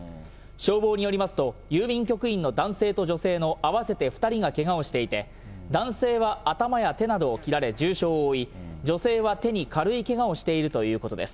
消防によりますと、郵便局員の男性と女性の合わせて２人がけがをしていて、男性は頭や手などを切られ重傷を負い、女性は手に軽いけがをしているということです。